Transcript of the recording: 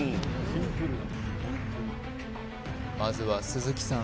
まずは鈴木さん